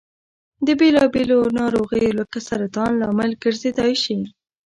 د بېلا بېلو نارغیو لکه سرطان لامل ګرځيدای شي.